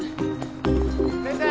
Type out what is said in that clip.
・先生。